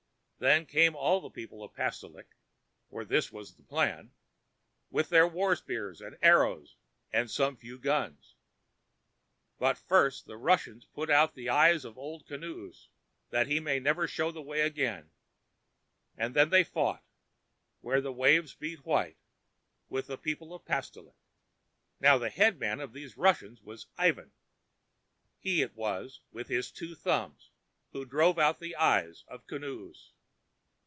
Then came all the people of Pastolik, (for this was the plan), with their war spears, and arrows, and some few guns. But first the Russians put out the eyes of Old Kinoos that he might never show the way again, and then they fought, where the waves beat white, with the people of Pastolik. "Now the head man of these Russians was Ivan. He it was, with his two thumbs, who drove out the eyes of Kinoos.